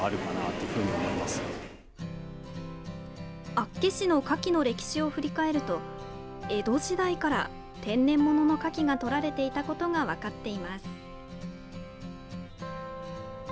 厚岸のカキの歴史を振り返ると江戸時代から天然物のカキがとられていたことが分かっています。